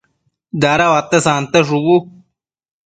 dada uate sante shubu